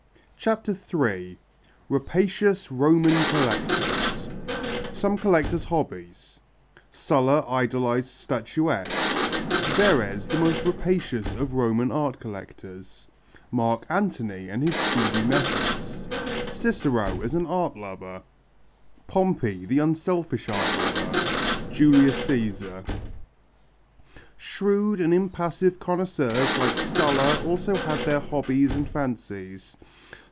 CHAPTER III RAPACIOUS ROMAN COLLECTORS Some collectors' hobbies Sulla idolized statuette Verres the most rapacious of Roman art collectors Mark Antony and his speedy methods Cicero as an art lover Pompey the unselfish art lover Julius Cæsar. Shrewd and impassive connoisseurs like Sulla also had their hobbies and fancies.